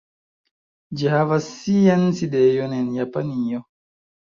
Ĝi havas sian sidejon en Japanio.